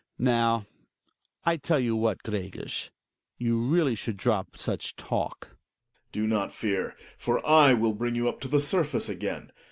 Now, I tell you what, Gregers, you really should drop such talk. Gregers. Do not fear; for I will bring you up to the surface again.